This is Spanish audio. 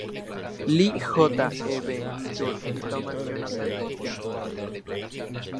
Lee y J. E. B. Stuart y Thomas Jonathan Jackson.